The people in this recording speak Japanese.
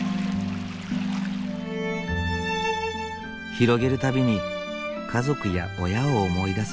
広げる度に家族や親を思い出す風呂敷。